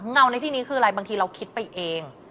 เงาในที่นี้คืออะไรบางทีเราคิดไปเอง